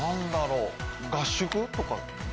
合宿とか？